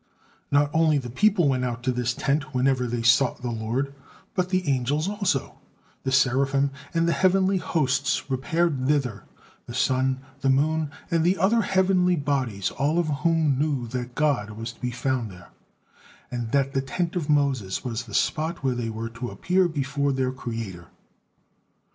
Not only the people went out o this tent whenever they sought the Lord, but the angels also, the Seraphim, and the heavenly hosts repaired thither, the sun, the moon, and the other heavenly bodies, all of whom knew that God was to be found there, and that the tent of Moses was the spot where they were to appear before their Creator.